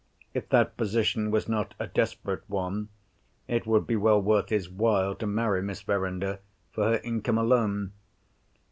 If that position was not a desperate one, it would be well worth his while to marry Miss Verinder for her income alone.